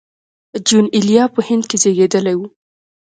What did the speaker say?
جون ایلیا په هند کې زېږېدلی و